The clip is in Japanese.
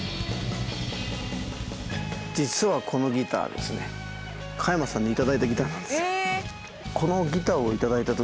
実はこのギターですね加山さんに頂いたギターなんです。